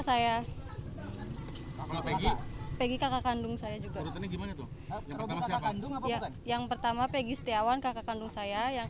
saya peggy peggy kakak kandung saya juga yang pertama peggy setiawan kakak kandung saya yang